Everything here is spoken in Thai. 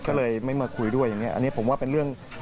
ก็เลยไม่มาคุยด้วยอย่างนี้อันนี้ผมว่าเป็นเรื่อง